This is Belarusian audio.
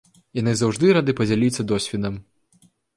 Яны заўжды рады падзяліцца досведам.